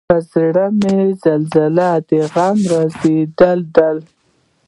پۀ زړۀ مې زلزلې د غم راځي دلۍ، دلۍ